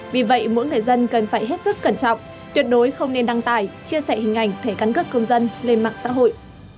vì vậy mỗi người dân cần phải hết sức cẩn trọng tuyệt đối không nên đăng tải chia sẻ hình ảnh thẻ căn cước công dân lên mạng xã hội